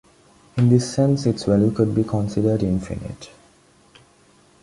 In this sense, its value could be considered infinite.